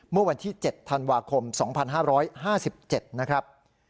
เมื่อวันที่๗ธันวาคม๒๕๕๗นะครับ